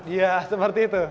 iya seperti itu